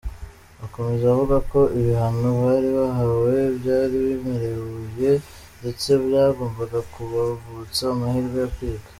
Akomeza avuga ko ibihano bari bahawe byari biremereye ndetse byagombaga kubavutsa amahirwe yo kwiga.